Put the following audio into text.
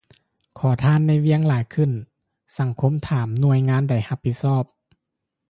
ຂໍທານໃນວຽງຫຼາຍຂຶ້ນ ສັງຄົມຖາມ ໜ່ວຍງານໃດຮັບຜິດຊອບ?